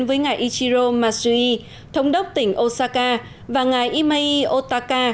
với ngài ichiro matsui thống đốc tỉnh osaka và ngài imai otaka